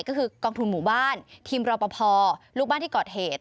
ก็คือกองทุนหมู่บ้านทีมรอปภลูกบ้านที่ก่อเหตุ